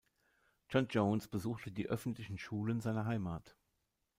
John Jones besuchte die öffentlichen Schulen seiner Heimat.